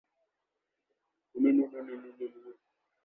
গারো পাহাড়ের ছোট ছোট অংশগুলো স্থানীয়ভাবে টিলা নামেও পরিচিত।